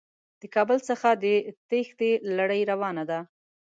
د کابل څخه د تېښتې لړۍ روانه ده.